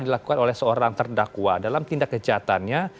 dilakukan oleh seorang terdakwa dalam tindak kejahatannya